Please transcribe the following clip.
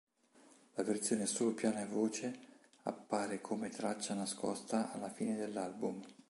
La versione solo piano e voce appare come traccia nascosta alla fine dell'album.